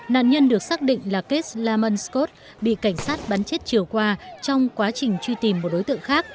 nạn nhân được xác định là keslamon scott bị cảnh sát bắn chết chiều qua trong quá trình truy tìm một đối tượng khác